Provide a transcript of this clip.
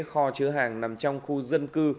kho chứa hàng nằm trong khu dân cư